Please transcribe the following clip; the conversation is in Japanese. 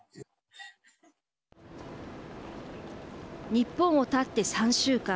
日本をたって３週間。